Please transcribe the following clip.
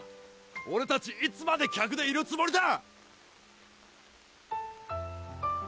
俺達いつまで客でいるつもりだ？